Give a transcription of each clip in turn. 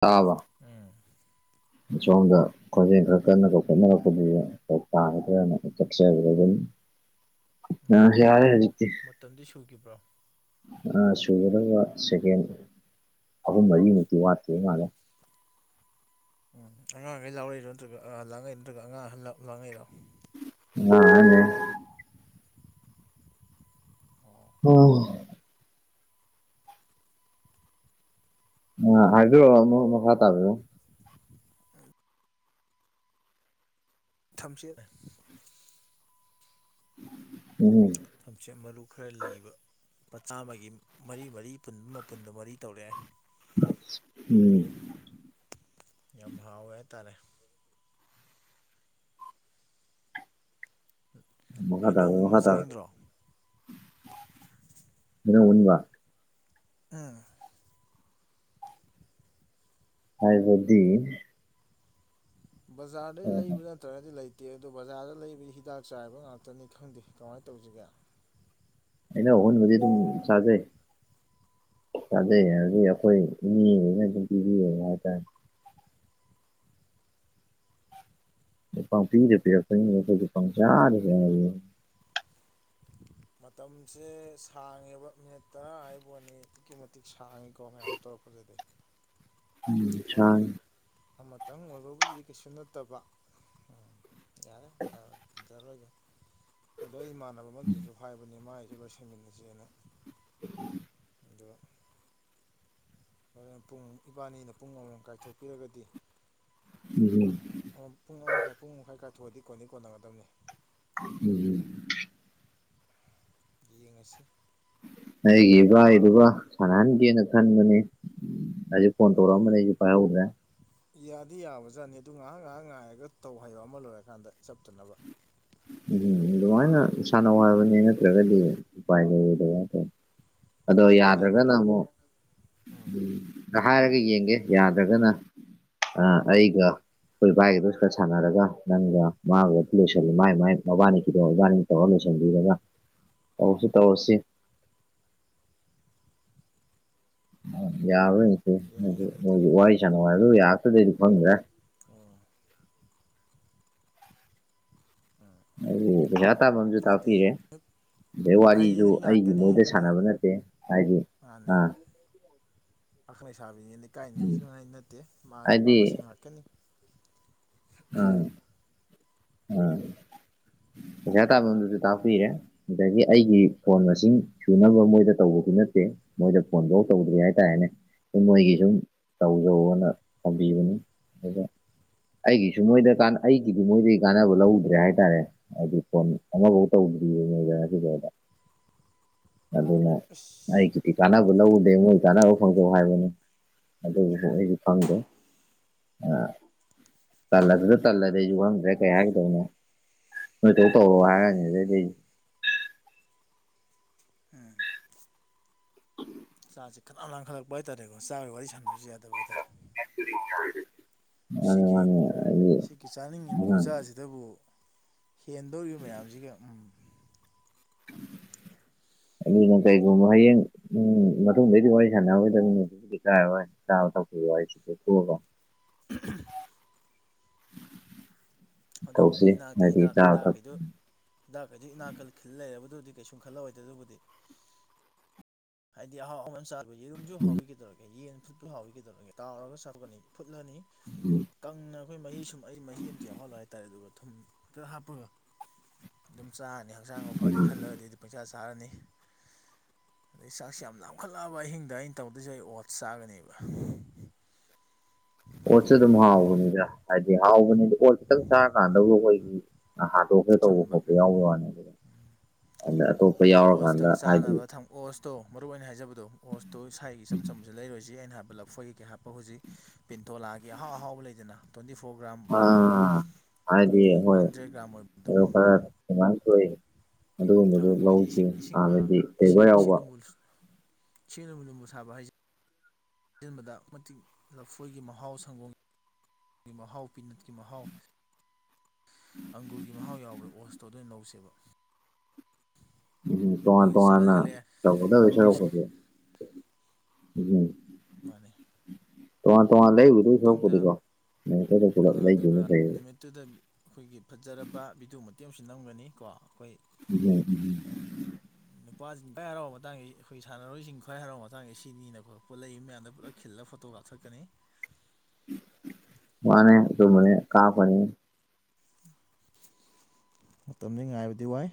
ꯇꯥꯕ ꯎꯝ ꯑꯁꯣꯝꯗ ꯈꯣꯟꯖꯦꯜ ꯈꯔ ꯀꯟꯅ ꯇ ꯈꯣꯠꯅꯔꯛꯄꯗꯨ ꯇꯥꯒꯗ꯭ꯔꯅ ꯆꯠꯆꯕꯗ ꯑꯗꯨꯝ ꯑ ꯃꯇꯝ ꯍꯔꯦ ꯍꯥꯏꯖꯤꯛꯇꯦ ꯃꯇꯝꯗꯤ ꯁꯨꯈꯤꯕ꯭ꯔꯣ ꯁꯨꯒꯗꯕ ꯁꯦꯀꯦꯟ ꯑꯍꯨꯝ ꯃꯔꯤꯃꯨꯛꯇꯤ ꯋꯥꯠꯇꯦ ꯃꯥꯜꯂꯦ ꯎꯝ ꯑꯉꯥꯡꯈꯩ ꯂꯥꯎꯔꯏꯔꯣ ꯅꯠꯇ꯭ꯔꯒ ꯑꯥꯡꯉꯩꯔꯣ ꯅꯠꯇ꯭ꯔꯒ ꯑꯉꯥꯡ ꯑꯍ ꯂꯥꯡꯉꯛꯏꯔꯣ ꯑꯅꯦ ꯑꯣ ꯎꯝ ꯑ ꯍꯥꯏꯕꯤꯔ‌ꯣ ꯃꯔꯨꯞ ꯃꯈꯥ ꯇꯥꯕꯤꯌꯨ ꯊꯝꯆꯦꯠ [inaudible] ꯊꯝꯆꯦꯠ ꯃꯔꯨ ꯈꯔ ꯂꯤꯕ ꯂꯨꯄꯥ ꯆꯥꯝꯃꯒꯤ ꯃꯔꯤ ꯃꯔꯤ ꯄꯨꯟꯕ ꯃꯄꯨꯟꯗ‌ꯣ ꯃꯔꯤ ꯇꯧꯔꯛꯑꯦ ꯎꯝ ꯌꯥꯝ ꯍꯥꯎꯋꯦ ꯍꯥꯏꯇꯥꯔꯦ ꯃꯈꯥ ꯍꯩꯅꯧ ꯇꯥꯥꯕꯤꯌꯨ ꯑꯃ ꯃꯈꯥ ꯃꯆꯥꯅꯤꯡꯗ꯭ꯔꯣ ꯇꯥꯥꯕꯤꯌꯨ [inaudible] ꯎꯝ ꯍꯥꯏꯕꯗꯤ ꯕꯖꯥꯔ ꯂꯩꯕ ꯆꯠꯇ꯭ꯔꯒꯗꯤ ꯂꯩꯇꯦ ꯑꯗꯣ ꯕꯖꯥꯔꯗ ꯂꯩꯕ ꯍꯤꯗꯥꯛ ꯆꯥꯏꯕ ꯉꯥꯛꯇꯅꯤ ꯈꯪꯗꯦ ꯀꯃꯥꯏꯅ ꯇꯧꯁꯤꯒꯦ ꯑꯩꯅ ꯑꯣꯟꯕꯗꯤ ꯑꯗꯨꯝ ꯆꯥꯖꯩ ꯆꯥꯖꯩ ꯑꯗꯨꯗꯤ ꯑꯩꯈꯣꯏ ꯏꯅꯦ ꯂꯅ ꯑꯗꯨꯝ ꯄꯤꯕꯤꯌꯦ ꯍꯥꯏꯇꯥꯔꯦ ꯄꯪ ꯄꯤꯗꯦ ꯄꯦ ꯑꯩꯣꯏꯈꯣꯏꯁꯨ ꯄꯥꯎ ꯌꯥꯔꯤꯦ ꯍꯥꯏꯌꯦ ꯃꯇꯝꯁꯦ ꯁꯥꯡꯉꯦꯕ ꯃꯤꯅꯠ ꯇꯔꯥ ꯍꯥꯏꯐꯥꯎꯅꯤ ꯑꯗꯨꯛꯀꯤ ꯃꯇꯤꯛ ꯁꯥꯡꯉꯤꯀꯣ ꯃꯌꯥꯝ ꯇꯧꯔꯛꯄꯁꯤꯗꯤ ꯑꯆ ꯇꯪ ꯑꯣꯏꯕꯕꯨꯗꯤ ꯀꯩꯁꯨ ꯅꯠꯇꯕ ꯎꯝ ꯌꯥꯔꯦ ꯊꯝꯖ ꯍꯜꯂꯔ‌ꯣꯏꯒꯦ ꯑꯗꯣ ꯑꯩ ꯏꯃꯥꯟꯅꯕ ꯑꯃꯗꯨꯁꯨ ꯍꯥꯏꯕꯅꯤ ꯃꯥꯏꯁꯨ ꯂꯣꯏꯁꯟꯃꯤꯟꯅꯁꯦꯅ [unintelligible] ꯑꯗꯨ ꯍꯣꯔꯦꯟ ꯄꯨꯡ ꯏꯕꯥꯅꯤꯅ ꯄꯨꯡ ꯑꯃꯃꯝ ꯀꯥꯏꯊꯣꯛꯄꯤꯔꯒꯗꯤ [inaudible] ꯄꯨꯡ ꯑꯃ ꯃꯈꯥꯏ ꯄꯨꯡ ꯑꯃꯈꯥꯏ ꯀꯥꯏꯊꯣꯛꯑꯗꯤ ꯀꯣꯟꯗꯤ ꯀꯣꯟꯅꯒꯗꯕꯅ‌ꯦ ꯎꯝ ꯎꯝ ꯌꯦꯡꯉꯁꯤ ꯑꯩꯒꯤ ꯏꯕꯥꯏꯗꯨꯒ ꯁꯥꯟꯅꯍꯟꯒꯦꯅ ꯈꯟꯕꯅꯤ ꯍꯧꯖꯤꯛ ꯐꯣꯟ ꯑꯗꯨ ꯇꯧꯛꯑꯝꯕꯅꯦ ꯑꯩꯖꯨ ꯄꯥꯏꯍꯧꯗ꯭ꯔꯦ ꯌꯥꯗꯤ ꯌꯥꯕꯖꯥꯠꯅꯤ ꯑꯗꯨ ꯉꯥꯏꯍꯥꯛ ꯉꯥꯏꯍꯥꯛ ꯉꯥꯏꯔꯒ ꯇꯧ ꯍꯥꯏꯌꯣ ꯑꯃ ꯂꯣꯏꯔꯀꯥꯟꯗ ꯆꯞꯇꯅꯕ ꯎꯝ ꯑꯗꯨꯃꯥꯏꯅ ꯁꯥꯟꯅꯧ ꯍꯥꯏꯕꯅꯦ ꯅꯠꯇ꯭ꯔꯒꯗꯤ ꯎꯄꯥꯏ ꯂꯩꯔ‌ꯣꯏꯗꯕ ꯍꯥꯏꯇꯥ ꯑꯗꯣ ꯍꯥꯏꯗꯤ ꯍꯥꯏꯒꯣ ꯌꯥꯗ꯭ꯔꯒꯅ ꯅꯪ ꯑꯃꯨꯛ ꯎꯝ [inaudible] ꯍꯥꯏꯔꯒ ꯌꯦꯡꯒꯦ ꯌꯥꯗ꯭ꯔꯒꯅ ꯑ ꯑꯩꯒ ꯈꯣꯏ ꯏꯚꯥꯏꯗꯨꯁꯨ ꯈꯔ ꯁꯥꯟꯅꯔꯒ ꯅꯪꯒ ꯃꯥꯒ ꯂꯣꯏꯁꯜꯂꯡ ꯃꯥꯏ ꯃꯥꯏ ꯃꯕꯥꯅꯤꯒꯤꯗꯣ ꯃꯕꯥꯅꯤ ꯇꯧꯔ ꯂꯣꯏꯁꯤꯟꯕꯤꯔꯒ ꯇꯧꯔꯁꯨ ꯇꯧꯔꯁꯤ ꯌꯥꯕ꯭ꯔ ꯌ‌ꯦꯡꯁꯤ ꯌꯥꯏ ꯑꯗꯨꯕꯨꯗꯤ ꯃ‌ꯣꯏꯁꯨ ꯋꯥꯔꯤ ꯁꯟꯅꯧ ꯍꯥꯏꯗ‌ꯣ ꯌꯥꯔꯛꯇ꯭ꯔꯗꯤ ꯑꯩꯁꯨ ꯈꯪꯗ꯭ꯔ‌ꯦ ꯑꯥ [inaudible] ꯄꯩꯁꯥ ꯇꯥꯟꯐꯝꯁꯨ ꯍꯥꯏꯗꯤ ꯇꯥꯛꯄꯤꯔꯦ ꯑꯗꯩ ꯍꯥꯏꯗꯤ ꯋꯥꯔꯤꯖꯨ ꯅꯨꯄꯤ ꯑꯩꯒꯤ ꯃꯣꯏꯗ ꯉꯥꯛꯇꯅꯤꯅ ꯁꯥꯟꯅꯕ ꯅꯠꯇꯦ ꯍꯥꯏꯗꯤ ꯃꯥꯅꯦ ꯑꯥ ꯄꯥꯈꯪ ꯂꯩꯁꯥꯕꯤꯅꯤꯅ ꯏꯀꯥꯏꯅꯤꯁꯨ ꯉꯥꯏ ꯅꯠꯇꯦ ꯃꯥ ꯍꯥꯏꯗꯤ ꯅꯨꯄꯥ ꯃꯁ‌ꯦꯟ ꯉꯥꯛꯇꯅꯤ [inaudible] ꯄꯩꯁꯥ ꯇꯥꯟꯐꯝꯗꯨꯁꯨ ꯇꯥꯛꯄꯤꯔ‌ꯦ ꯑꯗꯒꯤ ꯑꯩꯒꯤ ꯀ‌ꯣꯟ ꯃꯁꯤꯡ ꯁꯨꯅꯕ ꯃꯣꯏꯗ ꯇꯧꯕꯗꯤ ꯅꯠꯇꯦ ꯃꯣꯏꯗ ꯐꯣꯟꯕꯧ ꯇꯧꯗ꯭ꯔꯤ ꯍꯥꯏꯇꯥꯔꯦꯅꯦ ꯃꯣꯏꯒꯤ ꯁꯨꯝ ꯇꯧꯖꯧꯋ‌ꯣꯅ ꯇꯧꯕꯤꯕꯅꯤ ꯑꯗꯨꯗ ꯑꯩꯒꯤꯁꯨ ꯃꯣꯏꯗ ꯀꯥꯟꯅ ꯑꯩꯒꯤꯗꯤ ꯃꯣꯏꯗꯩ ꯀꯥꯟꯅꯕ ꯂꯧꯗ꯭ꯔꯦ ꯍꯥꯏꯇꯥꯔꯦ ꯍꯥꯏꯗꯤ ꯐꯣꯟ ꯑꯃꯐꯧ ꯇꯧꯗ꯭ꯔꯤꯌꯦ [inaudible] ꯑꯗꯨꯅ ꯑꯁ ꯑꯩ [inaudible] ꯁꯤ ꯀꯥꯟꯅꯕ ꯂꯧꯎꯗꯦ ꯃꯣꯏ ꯀꯥꯟꯅꯕ ꯐꯪꯖꯧ ꯍꯥꯏꯕꯅꯤ ꯑꯗꯨꯕꯨꯁꯨ ꯑꯩꯁꯨ [inaudible] ꯑ ꯇꯜꯂꯗꯨ ꯇꯜꯂꯗꯤ ꯑꯩꯖꯨ ꯈꯪꯗ꯭ꯔꯦ ꯀꯩ ꯍꯥꯏꯒꯗꯧꯅ‌ꯣ ꯅ‌ꯣꯏꯇꯧ ꯇꯧꯔ‌ꯣ ꯍꯥꯏꯔꯅꯤ ꯑꯗꯩꯗꯤ ꯂꯩ ꯎꯝ ꯆꯥꯁꯦ ꯈꯅꯥꯝ ꯂꯥꯡꯈꯠꯂꯛꯄ ꯍꯥꯏꯇꯥꯔꯦꯀꯣ ꯆꯥꯒ ꯋꯥꯔꯤ ꯁꯥꯟꯅꯕꯁꯨ ꯌꯥꯗꯕ ꯍꯥꯏꯇꯥꯔꯦ ꯑꯩ ꯃꯥꯅꯤ ꯁꯤꯒꯤ ꯃꯥꯅꯤ ꯑꯩꯒꯤ ꯁꯤꯒꯤ ꯆꯥꯅꯤꯡꯉꯤꯕ ꯈꯨꯠꯁꯥ ꯑꯁꯤꯗ ꯑꯗꯨꯕꯨ ꯍꯦꯟꯗꯧꯔꯤꯕ ꯃꯌꯥꯝꯁꯤꯒ ꯎꯝ ꯑꯗꯨꯅ ꯀꯥꯏꯒꯨꯝꯕ ꯁꯣꯏꯗꯦ ꯍꯌꯦꯡ ꯎꯝ ꯃꯇꯨꯡꯗꯩꯗꯤ ꯋꯥꯔꯤ ꯁꯥꯟꯅꯔꯣꯏꯗꯕꯅꯤ [unintelligible] ꯆꯥꯕ ꯇꯛꯄꯩ ꯋꯥꯔꯤꯁꯦ ꯇꯣꯛꯊꯣꯛ ꯑꯀꯣ [unintelligible] ꯑꯗꯨꯕꯨꯗꯤ ꯇꯧꯁꯤ ꯏꯅꯥꯛꯇꯤ ꯍꯥꯏꯗꯤ ꯍꯤꯗꯥꯛ ꯆꯥꯕ ꯊꯛ ꯍꯤꯗꯥꯛꯈꯩꯗꯨ ꯍꯤꯗꯥꯛ ꯀꯩꯗꯩ ꯏꯅꯥꯛꯀꯜ ꯈꯤꯜ ꯂꯩꯔꯕꯗꯨꯗꯤ ꯀꯩꯁꯨꯝ ꯈꯜꯂꯑꯣꯏꯗꯦ ꯑꯗꯨꯕꯨꯗꯤ ꯍꯥꯏꯗꯤ ꯑꯍꯥꯎ ꯑꯍꯥꯎꯁꯨꯝ [unintelligible] ꯆꯥꯕꯩ ꯗꯨꯝꯁꯨ ꯍꯥꯎꯋꯤ ꯀꯩꯗꯧꯔ [unintelligible] ꯑ ꯌꯦꯟ ꯐꯨꯠꯄ ꯍꯥꯎꯋꯤ ꯀꯩꯗꯧꯔ ꯇꯥꯎꯔꯒ ꯆꯥꯊ‌ꯣꯛꯑꯅꯤ ꯐꯨꯠꯂꯅꯤ ꯎꯝ ꯀꯪꯅ ꯑꯩꯈꯣꯏ ꯃꯍꯤ ꯁꯨꯝ ꯑꯩ ꯃꯍꯤ ꯑꯝꯇ ꯌꯥꯎꯍꯜꯂ‌ꯣꯏ ꯍꯥꯏꯇꯥꯔꯦ ꯑꯗꯨꯒ ꯊꯨꯝ ꯈꯤꯇ ꯍꯥꯞꯄꯒ ꯑꯗꯨꯝ ꯆꯥꯔꯅꯤ ꯍꯛꯆꯥꯡꯕꯨ ꯐꯅꯤ ꯎꯝ ꯈꯜꯂꯗꯤ ꯑꯩꯗꯤ ꯄꯪꯆꯥ ꯆꯥꯔꯅꯤ ꯑꯗꯩ ꯆꯥꯛꯁꯤ ꯌꯥꯝ ꯌꯥꯝꯈꯠꯂꯛꯑꯕ ꯑꯍꯤꯡꯗ ꯑꯩꯅ ꯇꯧꯗꯣꯏꯁꯦ ꯑꯩ ꯑꯣꯠꯁ ꯆꯥꯒꯅꯦꯕ ꯑꯣꯠꯁꯁ‌ꯦ ꯑꯗꯨꯝ ꯍꯥꯎꯕꯅꯤꯗ ꯍꯥꯏꯗꯤ ꯍꯥꯎꯕꯅꯤꯗ ꯑꯣꯠ ꯈꯤꯇꯪ ꯆꯥꯔꯀꯥꯟꯗꯕꯨ ꯑꯩꯈꯣꯏꯒꯤ ꯍꯥꯗꯣꯛꯀ‌ꯦ ꯇꯧꯕ ꯆꯝꯕ ꯈꯣꯠꯄ ꯌꯥꯎꯕꯩ ꯋꯥꯅꯦ ꯑꯗꯨ ꯑꯗꯣ ꯑꯣꯁꯇꯪ ꯍꯥꯏꯗꯤ ꯆꯥꯅꯕ ꯑꯣꯁꯇꯣ ꯃꯔꯨꯑꯣꯏ ꯑꯣꯏꯅ ꯍꯥꯏꯖꯕꯗꯣ ꯑꯣꯁꯇꯣ ꯏꯁꯥꯏꯒꯤ ꯏꯆꯝ ꯆꯝꯕ ꯑꯗꯨ ꯂꯩꯔꯣꯏꯁꯤ ꯑꯩꯅ ꯍꯥꯏꯕ ꯂꯐꯣꯏꯈꯤꯒꯦ ꯍꯥꯏꯞꯄ ꯍꯧꯖꯤꯛ ꯄꯤꯟꯊꯣꯂꯛꯑꯒꯦ ꯑꯍꯥꯎ ꯑꯍꯥꯎꯕ ꯂꯩꯗꯅ ꯇ꯭ꯋꯦꯟꯇꯤ ꯐꯣꯔ ꯒ꯭ꯔꯥꯝ ꯄꯔ ꯑꯥ ꯑꯩꯈꯣꯏꯒꯤ ꯍꯟꯗ꯭ꯔꯦꯠ ꯒ꯭ꯔꯥꯝ ꯑꯣꯏꯕ ꯑ ꯈꯔ ꯁꯨꯃꯥꯏꯅ ꯊꯣꯛꯏ ꯑꯗꯨꯒꯨꯝꯕꯗꯨ ꯑꯥ ꯃꯣꯏꯗꯤ ꯂꯧꯁꯤ ꯏꯁꯤꯡ ꯏꯁꯤꯡ ꯍꯕꯗꯤ ꯇꯩꯕ ꯌꯥꯎꯕ ꯁꯤꯡ ꯖꯤꯎꯡꯕꯨ ꯖꯤꯎꯡꯕꯨ ꯁꯥꯕ ꯍꯥꯏꯖꯦ ꯁꯤꯖꯤꯟꯕꯗ ꯃꯇꯤꯛ ꯂꯐꯣꯏꯒꯤ ꯃꯍꯥꯎ ꯁꯪꯒꯣꯝ ꯒꯤ ꯃꯍꯥꯎ ꯄꯤꯅꯠꯀꯤ ꯃꯍꯥꯎ ꯑꯪꯒꯨꯔꯒꯤ ꯃꯍꯥꯎ ꯌꯥꯎꯕ ꯑꯣꯁꯇꯣ ꯑꯗꯨꯅ ꯂꯧꯧꯁꯦꯕ ꯎꯝ ꯇꯣꯉꯅ ꯑꯗꯨ ꯆꯥꯅ ꯇꯣꯉꯥꯟꯅ ꯈꯜꯂꯛꯑꯦ ꯇꯣꯏꯒꯗꯕꯩ ꯇꯧꯔꯤꯁꯤ ꯁꯔꯨꯛꯄꯨꯗꯤ ꯃꯥꯅꯦ ꯇꯣꯉꯅ ꯇꯣꯉꯅ ꯂꯩꯔꯤꯗꯣꯏ ꯑꯃꯨꯛꯇꯪꯗ ꯁꯔꯨꯀꯄꯨꯗꯤꯀꯣ ꯑꯃꯣꯛꯇꯗ ꯄꯨꯂꯞ ꯂꯩꯒꯤꯕꯅ ꯐꯩꯌꯦꯕ ꯑꯗꯨꯗ ꯑꯩꯈꯣꯏꯒꯤ ꯐꯖꯔꯕ ꯕꯤꯗꯤꯑꯣ ꯃꯇꯦꯛ ꯑꯃꯁꯨ ꯅꯝꯒꯅꯤ ꯀꯣ ꯑꯩꯈꯣꯏ ꯎꯝ ꯅꯨꯄꯥꯁꯤꯡ ꯈ꯭ꯋꯥꯏ ꯍꯔꯥꯎꯕ ꯃꯇꯥꯡꯗ ꯑꯩꯈꯣꯏ ꯁꯥꯟꯅꯔꯣꯏꯁꯤꯡ ꯈ꯭ꯋꯥꯏ ꯍꯔꯥꯎꯕ ꯃꯇꯥꯡꯗꯁꯤ ꯁꯤꯅꯤꯅ ꯈꯣ ꯄꯨꯂꯛꯏ ꯃꯌꯥꯝꯗ ꯄꯨꯂꯞ ꯈꯤꯜꯂ ꯐꯣꯇꯣ ꯀꯥꯞꯊꯛꯀꯅꯤ ꯃꯥꯅꯦ ꯑꯗꯨꯃꯅꯦ ꯀꯥꯄꯛꯅꯤ ꯃꯇꯝꯗ ꯉꯥꯏꯕꯗꯤ ꯋꯥꯏ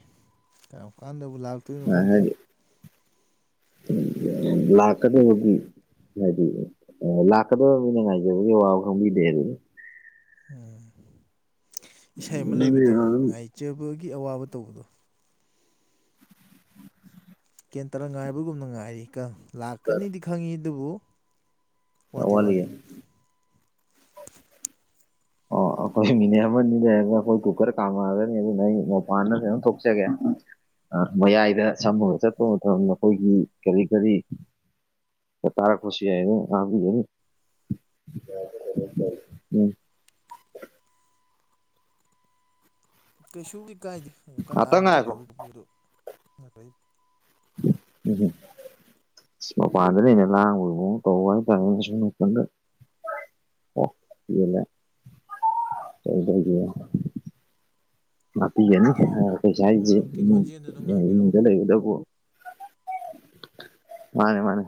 ꯀꯝ ꯀꯥꯟꯗꯕꯨ ꯂꯥꯛ ꯑ ꯍꯥꯏꯗꯤ ꯂꯥꯛꯀꯗꯤ ꯍꯒ ꯍꯥꯏꯗꯤ ꯂꯥꯛꯀꯗꯕ ꯃꯤꯅ ꯉꯥꯏꯖꯕꯒꯤ ꯋꯥꯕ ꯈꯪꯕꯤꯗꯦ ꯑꯗꯨ ꯎꯝ ꯏꯁꯩ ꯑꯃ ꯂꯩꯕꯗꯣ ꯌꯥꯝ ꯉꯥꯏꯖꯕꯒꯤ ꯑꯋꯥꯕ ꯇꯧꯕꯗꯣ ꯀꯦꯟꯇꯔ ꯉꯥꯏꯕꯒꯨꯝꯅ ꯉꯥꯏꯔꯤ ꯀ ꯂꯥꯛꯀꯅꯤꯗꯤ ꯈꯪꯉꯤ ꯑꯗꯨꯕꯨ ꯋꯥꯠꯇꯤ ꯋꯥꯠꯂꯤꯌꯦ ꯋꯥꯠꯂꯤ ꯑꯣ ꯑꯩꯈꯣꯏ ꯃꯤꯅꯦ ꯑꯃꯅꯤ ꯑꯅꯤ ꯂꯩꯔꯒ ꯑꯩꯈꯣꯏ ꯀꯨꯀꯔ ꯀꯥꯝꯃꯛꯑꯒꯅꯤ ꯑꯗꯨꯅ ꯑꯩ ꯃꯄꯥꯟꯗꯝ ꯊꯣꯛꯆꯒꯦ ꯑ ꯃꯌꯥꯏꯗ ꯁꯝꯃꯒ ꯆꯠꯄ ꯃꯇꯝꯗ ꯅꯈꯣꯏꯒꯤ ꯀꯔꯤ ꯀꯔꯤ ꯇꯔꯦ ꯈꯨꯁꯤ ꯍꯥꯏꯅꯦ ꯑꯒꯅꯤ ꯎꯝ ꯀꯩꯁꯨ ꯀ ꯀꯥꯏꯗꯦ ꯌꯥꯝ ꯀꯟꯅ ꯉꯥꯛꯇꯪ ꯍꯥꯡꯗ꯭ꯔꯒ ꯉꯥꯏꯈꯣ ꯑꯗꯨꯕꯤꯔꯣꯅꯥꯀ ꯎꯝ ꯁ ꯃꯄꯥꯟꯗꯅ ꯍꯦꯟꯅ ꯂꯥꯉꯕꯒꯤ ꯃꯑꯣꯡ ꯇꯧꯕ ꯍꯥꯏꯇꯥꯔꯦ ꯑꯁꯤꯝ ꯅꯥꯀꯟꯗ ꯑꯣ ꯏꯒꯂ [unintelligible] ꯅꯥꯄꯤꯒꯅꯤ ꯑꯗꯨꯝ ꯀꯩꯁꯥ ꯍꯥꯏꯁꯦ ꯃꯔꯨꯞꯀꯤ ꯏꯃꯨꯡ ꯈꯣꯟꯖꯦꯜꯗꯨ ꯑꯗꯨꯝ ꯉꯥꯡꯕꯤꯔꯛꯑꯣ ꯏꯃꯨꯡꯗ ꯂꯩꯒꯗꯕꯨ ꯃꯥꯅꯦ ꯃꯥꯅꯦ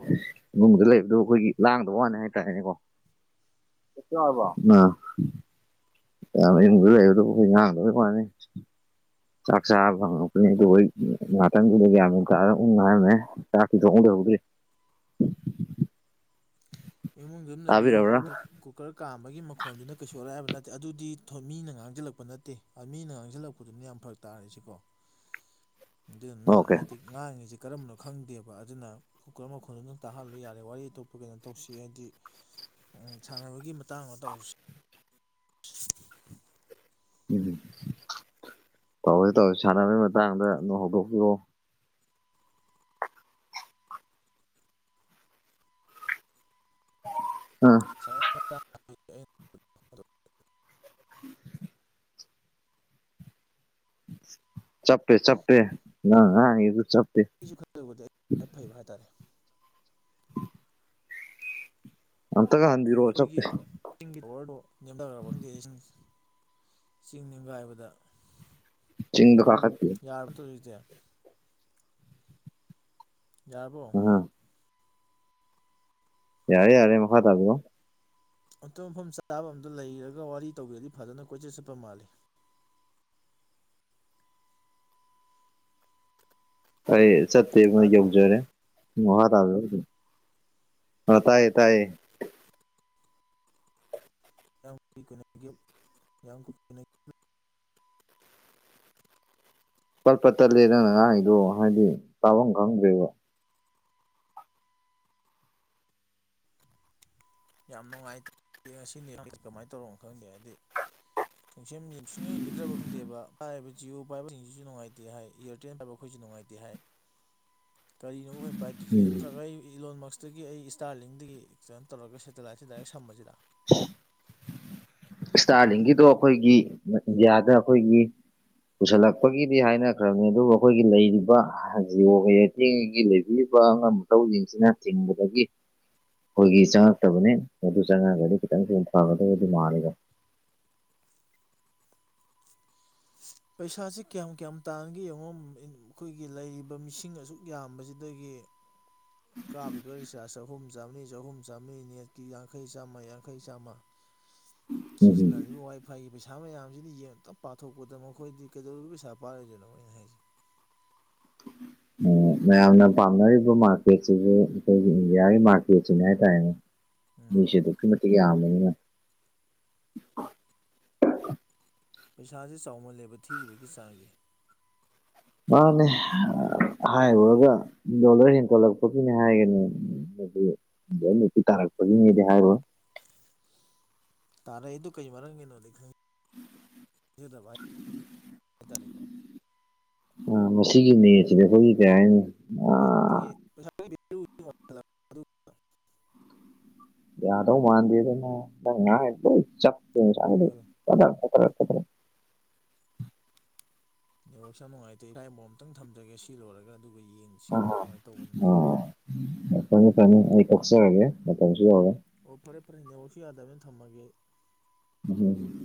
ꯏꯨꯡꯗ ꯂꯩꯕꯗꯨꯣ ꯑꯩꯈꯣꯏꯒꯤ ꯂꯥꯡꯗꯕ ꯋꯥꯅꯤ ꯍꯥꯏꯇꯥꯔꯦꯅꯦꯀꯣ ꯀ ꯍꯥꯏꯕ ꯌꯥꯝꯗ ꯐꯅꯤ ꯆꯥꯛꯆꯥꯥ ꯉꯅꯥꯇꯪꯒ ꯎ ꯉ ꯆꯁꯤ ꯆꯣꯡꯗ ꯍꯧꯒꯦ ꯏꯃꯨꯡꯗ ꯑꯗꯨꯝ ꯂꯩꯕꯤꯌꯣ ꯇꯥꯕꯤꯔꯕ꯭ꯔꯥ ꯑꯗꯨ ꯀꯨꯀꯔ ꯀꯥꯝꯕꯒꯤ ꯃꯈꯣꯟꯗꯨꯅ ꯀꯩꯁꯨ ꯑꯜꯂꯛꯑꯕ ꯅꯠꯇꯦ ꯑꯗꯨꯗꯤ ꯃꯤꯅ ꯉꯥꯡꯁꯤꯜꯂꯛꯄ ꯅꯠꯇꯦ ꯃꯤꯅ ꯉꯥꯡꯁꯤꯜꯂꯛꯄꯗꯨꯅ ꯌꯥꯝ ꯐꯔꯛ ꯇꯥꯔꯁꯤꯀꯣ [inaudible] ꯑꯗꯨꯗꯤꯨꯅ ꯑꯣꯀꯦ ꯍꯥꯏꯗꯤ ꯉꯥꯡꯉꯤꯁꯦ ꯀꯔꯝꯕꯅꯣ ꯈꯪꯗꯦꯕ ꯑꯗꯨꯅ ꯀꯨꯀꯔ ꯃꯈꯣꯟꯗꯣ ꯅꯝ ꯇꯥꯍꯜꯂꯨ ꯌꯥꯔꯦ ꯋꯥꯔꯤ ꯑꯇꯣꯞꯄꯒꯤꯩꯅꯣ ꯇꯧꯁꯤ ꯍꯥꯏꯗꯤ ꯁꯥꯟꯅꯕꯒꯤ ꯃꯇꯥꯡ ꯑꯃ ꯇꯧꯔꯁꯨ [unintelligible] ꯎꯝ ꯇꯧꯁꯤ ꯇꯧꯋꯁꯤ ꯁꯥꯟꯅꯕꯒꯤ ꯃꯇꯥꯡꯗ ꯑꯗꯨꯝ ꯍꯧꯗꯣꯛꯄꯤꯔꯑꯣ ꯑ [unintelligible] [inaudible] ꯆꯞꯄꯦ ꯆꯞꯄꯦ ꯅꯪ ꯉꯥꯡꯉꯤꯗꯣ ꯆꯞꯄꯦ ꯑꯩꯁꯨ ꯈꯪꯖꯕꯗ ꯑꯩ ꯌꯥꯝ ꯐꯩꯕ ꯍꯥꯏꯇꯥꯔꯦ ꯑꯝꯇꯒ ꯎꯝ ꯍꯟꯕꯤꯔꯛꯑꯣ ꯑꯩꯈꯣꯏꯒꯤ ꯆꯞꯄꯦ ꯇꯤꯡꯒꯤ ꯄꯋꯥꯔꯗꯣ ꯂꯦꯝꯊꯈꯔꯕ ꯈꯪꯗꯦꯁꯤꯡꯁ ꯆꯤꯡ ꯅꯤꯡꯒꯥꯏꯕꯗ ꯆꯤꯡꯗ ꯐꯥ ꯈ ꯌꯥꯔꯕ ꯇꯧꯔꯤꯁꯦ ꯌꯥꯕꯣ ꯑ ꯌꯥꯔꯦ ꯌꯥꯔꯦ ꯃꯈꯥ ꯇꯥꯣ ꯑꯇꯣꯞꯄ ꯃꯐꯝ ꯆꯥꯕ ꯑꯝꯗ ꯂꯩꯔꯒ ꯋꯥꯔꯤ ꯇꯧꯒꯦꯔꯗꯤ ꯐꯖꯅ ꯀꯣꯏꯆꯠ ꯆꯠꯄ ꯃꯥꯜꯂꯤ ꯑꯩ ꯆꯠꯇꯦ ꯃꯣꯏ ꯇꯥꯗ꯭ꯔꯣ ꯌꯧꯖꯔꯦ ꯎ ꯍ ꯇ ꯑ ꯇꯥꯏꯌꯦ ꯇꯥꯏꯌꯦ ꯌꯥꯝ ꯌꯥꯝ ꯄꯠꯄ ꯇꯠꯂꯦ ꯅꯪꯅ ꯉꯥꯥꯏꯗꯣ ꯍꯥꯏꯗꯤ ꯇꯥꯐꯝ ꯈꯪꯗ꯭ꯔꯦꯕ ꯌꯥꯝ ꯅꯨꯡꯉꯥꯏꯇꯦ ꯉꯁꯤꯅꯤ ꯀꯃꯥꯏꯅ ꯇꯧꯔꯣꯅꯣ ꯈꯪꯗꯦ ꯍꯥꯏꯗꯤ ꯨꯡꯁ ꯁꯨꯡꯁꯕꯤꯗ꯭ꯔꯕ ꯈꯪꯗꯦꯕ ꯄꯥꯏꯔꯤꯕ ꯖꯤꯑꯣ ꯄꯥꯏꯕꯁꯤꯡꯁꯤꯁꯨꯅꯨꯡꯉꯥꯏꯇꯦ ꯍꯥꯏ ꯑꯦꯌꯥꯔꯇꯦꯜ ꯄꯥꯏꯕ ꯍꯣꯏꯖꯤ ꯉꯥꯏꯗꯤꯍꯥꯏ [inaudible] ꯀꯔꯤꯅ ꯐ ꯕꯥꯏꯠ ꯗꯤꯖꯦ ꯎꯝ ꯅꯠꯇ꯭ꯔꯒ ꯑꯩ ꯏꯂꯣꯟꯃꯁꯇꯒꯤ ꯑꯩ ꯏꯁꯇꯥꯔꯂꯤꯡꯗꯒꯤ ꯀꯩꯅꯣ ꯇꯧꯔꯒ ꯁꯦꯇꯦꯂꯥꯏꯠꯁꯦ ꯗꯥꯏꯔꯦꯛ ꯁꯝꯕꯁꯤꯗ ꯏꯁꯇꯥꯔꯂꯤꯡꯒꯤꯗꯣ ꯑꯩꯈꯣꯏꯒꯤ ꯏꯟꯗꯤꯌꯥꯗ ꯑꯩꯈꯣꯏꯒꯤ ꯄꯨꯁꯜꯂꯛꯄꯒꯤꯗꯤ ꯍꯥꯏꯅꯈ꯭ꯔꯕꯅꯤ ꯑꯗꯨꯕꯨ ꯑꯩꯈꯣꯏꯒꯤ ꯂꯩꯔꯤꯕ ꯍꯖꯤ ꯍꯤꯡꯒꯤ ꯂꯩꯕꯤꯔꯤꯕ ꯑꯉꯥꯡ ꯃꯇꯊꯧꯁꯤꯡꯁꯤꯅ ꯊꯤꯡꯕꯗꯒꯤ ꯑꯩꯈꯣꯏꯒꯤ ꯆꯪꯉꯛꯇꯕꯅꯦ ꯃꯗꯨ ꯆꯪꯉꯛꯑꯒꯗꯤ ꯈꯤꯇꯪ ꯊꯨꯝ ꯐꯒꯗꯕꯗꯤ ꯃꯥꯜꯂꯤꯗ ꯄꯩꯁꯥꯁ ꯀꯌꯥꯝ ꯀꯌꯥꯝ ꯇꯥꯟꯅꯒꯦ ꯌꯦꯡꯉꯣ ꯑꯩꯈꯣꯏꯒꯤ ꯂꯩꯔꯤꯕ ꯃꯤꯁꯤꯡ ꯑꯁꯨꯛ ꯌꯥꯝꯕꯁꯤꯗꯒꯤ [inaudible] ꯀꯥꯞꯕꯤꯕ ꯔꯤꯆꯥꯔꯖ ꯆꯍꯨꯝ ꯆꯥꯝꯃꯔꯤ ꯆꯍꯨꯝ ꯆꯥꯝꯃꯔꯤ ꯅꯦꯠꯀꯤ ꯌꯥꯡꯈꯩ ꯆꯥꯝꯃ ꯌꯥꯡꯈꯩ ꯆꯥꯝꯃ ꯎꯝ ꯁꯤꯖꯤꯟꯅꯔꯤꯕ ꯋꯥꯏ ꯐꯥꯏꯒꯤ ꯄꯩꯁꯥ ꯃꯌꯥꯝꯁꯤꯅ ꯌꯦꯡꯇꯞ ꯄꯥꯊꯣꯛꯄꯗ ꯃꯈ ꯑꯩꯈꯣꯏꯗꯤ ꯀꯩꯗꯧꯔꯤꯕ ꯄꯩꯁꯥ ꯄꯥꯔꯣꯏꯗꯣꯏꯅꯣ ꯑꯩꯅ ꯍꯥꯏꯁꯦ ꯃꯌꯥꯝꯅ ꯄꯥꯝꯅꯔꯤꯕ ꯃꯥꯔꯀꯦꯠꯁꯤꯁꯨ ꯑꯩꯈꯣꯏꯒꯤ ꯏꯟꯗꯤꯌꯥꯒꯤ ꯃꯥꯔꯀꯦꯠꯁꯤꯅꯦ ꯍꯥꯏꯇꯥꯔꯦꯅꯦ ꯎꯝ ꯃꯤꯁꯦ ꯑꯗꯨꯛꯀꯤ ꯃꯇꯤꯛ ꯌꯥꯝꯃꯦꯅꯤꯅ ꯄꯩꯁꯥꯁꯦ ꯆꯥꯎꯃꯜꯂꯦꯕ ꯊꯤꯔꯤꯕꯒꯤ ꯆꯥꯡꯒꯤ ꯃꯥꯅꯦ ꯍꯥꯏꯔꯨꯔꯒ ꯗꯣꯂꯔ ꯍꯦꯟꯒꯠꯂꯛꯄꯒꯤꯅꯦ ꯍꯥꯏꯒꯅꯦ ꯅꯨꯄꯤ ꯇꯥꯔꯛꯄꯒꯤꯅꯦꯗꯤ ꯍꯥꯏꯔꯣ ꯇꯥꯔꯛ ꯑꯩꯗꯣ ꯀꯩ ꯃꯔꯝꯒꯤꯅꯣꯗꯤ ꯈꯪꯚ ꯍꯥꯏꯇꯥꯔꯦꯀꯣ ꯑ ꯃꯁꯤꯒꯤꯅꯦꯁꯤꯗ ꯑꯩꯈꯣꯏꯒꯤ ꯀꯩ ꯍꯥꯏꯅꯤ ꯑꯥ ꯄꯩꯁꯒꯤ ꯌꯥꯗꯣ ꯃꯥꯟꯗꯗ ꯍꯥꯏꯕꯤꯌꯨ ꯍꯥꯏꯕꯤꯌꯨ ꯏꯦ ꯅꯦꯠꯋꯥꯛꯁꯨ ꯌꯥꯝ ꯅꯨꯡꯉꯥꯏꯇꯦ ꯏꯐꯥꯏ ꯕꯣꯝꯇꯪ ꯊꯝꯖꯒꯦ ꯁꯤ ꯂꯣꯏꯔꯒ ꯑꯗꯨꯒ ꯌꯦꯡꯉꯤ ꯑ ꯑꯥ ꯐꯅꯤ ꯐꯅꯤ ꯑꯩ ꯀꯛꯆꯔꯒꯦ ꯃꯇꯝꯁꯨ ꯌꯧꯔꯦ ꯑꯣ ꯐꯔꯦ ꯐꯔꯦꯅꯦ ꯑꯣꯐ ꯌꯥꯗꯕꯅ ꯊꯝꯃꯒꯦ ꯎ